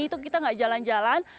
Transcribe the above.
itu kita nggak jalan jalan